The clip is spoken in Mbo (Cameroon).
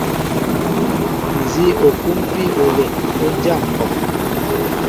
Nzi o kumpi olɛʼ, o dya mpɔŋ.